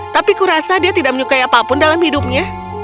tapi kurasa dia tidak menyukai apapun dalam hidupnya